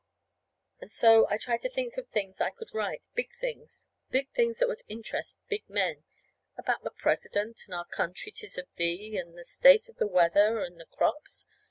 And so I'd try to think of things that I could write big things big things that would interest big men: about the President, and our country 'tis of thee, and the state of the weather and the crops.